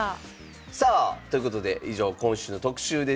さあということで以上今週の特集でした。